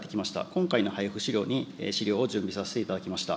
今回の配布資料に、資料を準備させていただきました。